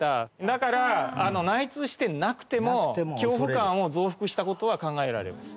だから内通してなくても恐怖感を増幅した事は考えられます。